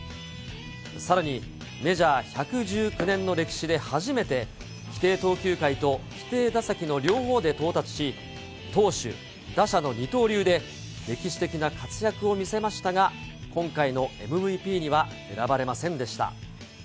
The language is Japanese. さらにメジャー１１９年の歴史で初めて、規定投球回と規定打席の両方で到達し、投手、打者の二刀流で、歴史的な活躍を見せましたが、今回のＭＶＰには選ばれませんでした。